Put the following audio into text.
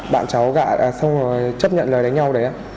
bạn cháu gạ xong rồi chấp nhận lời đánh nhau đấy ạ